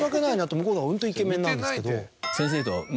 向こうはホントイケメンなんですけど。